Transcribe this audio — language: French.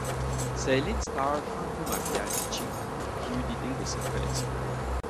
C'est l'éditeur Franco Maria Ricci qui eut l'idée de cette collection.